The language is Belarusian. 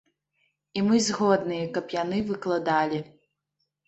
І мы згодныя, каб яны выкладалі.